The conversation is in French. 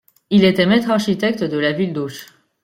Il était maître architecte de la ville d'Auch.